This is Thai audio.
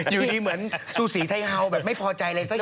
อยู่ดีเหมือนซูสีไทยเฮาแบบไม่พอใจอะไรสักอย่าง